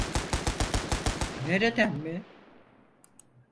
Nereden mi?